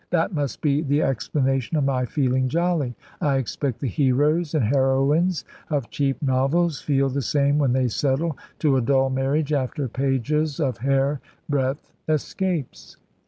That must be the explanation of my feeling jolly. I expect the heroes and heroines of cheap novels feel the same when they settle to a dull marriage after pages of hair breadth escapes."